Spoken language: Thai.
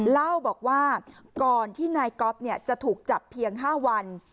เล่าบอกว่าก่อนที่นายก๊อฟจะถูกจับเพียง๕วัน